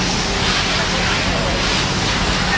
สุดท้ายสุดท้ายสุดท้าย